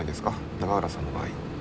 永浦さんの場合。